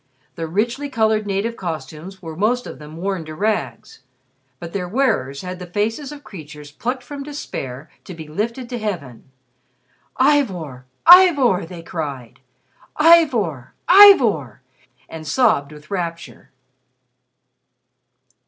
The richly colored native costumes were most of them worn to rags. But their wearers had the faces of creatures plucked from despair to be lifted to heaven. "Ivor! Ivor!" they cried; "Ivor! Ivor!" and sobbed with rapture.